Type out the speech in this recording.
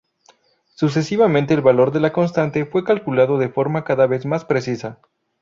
Sucesivamente el valor de la constante fue calculado de forma cada vez más precisa.